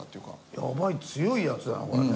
やばい強いやつだよねこれね。